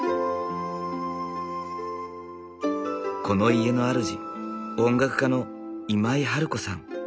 この家のあるじ音楽家の今井春子さん。